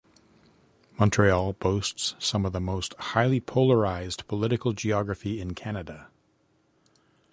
Montreal boasts some of the most highly polarized political geography in Canada.